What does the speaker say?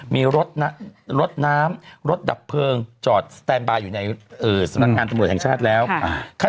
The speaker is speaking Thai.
มีรถน้ำรถน้ำรถดับเพลิงจอดสแตนบายอยู่ในเอ่อสำนักงานตำรวจแห่งชาติแล้วค่ะ